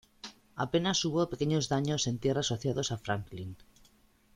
Apenas hubo pequeños daños en tierra asociados a Franklin.